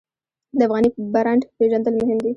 د افغاني برنډ پیژندل مهم دي